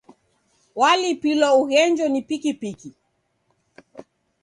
Walipilwa eghenjo ni pikipiki.